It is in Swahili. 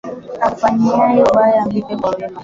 Akufanyiaye ubaya mlipe kwa wema